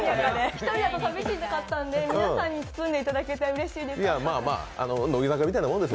１人だとさみしかったので皆さんに包んでいただいてうれしいです。